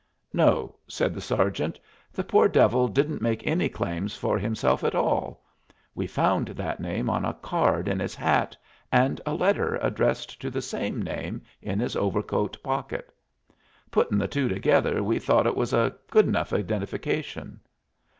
"No," said the sergeant. "The poor devil didn't make any claims for himself at all. We found that name on a card in his hat, and a letter addressed to the same name in his overcoat pocket. Puttin' the two together we thought it was a good enough identification."